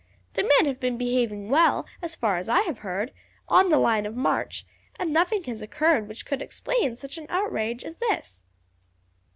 The men have been behaving well, as far as I have heard, on the line of march, and nothing has occurred which could explain such an outrage as this."